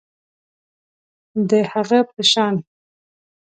د هغه چا په شان